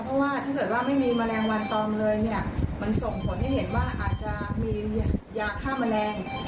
เพราะว่าถ้าเกิดว่าไม่มีแมลงวันตอมเลยเนี่ยมันส่งผลให้เห็นว่าอาจจะมียาฆ่าแมลง